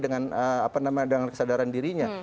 dengan kesadaran dirinya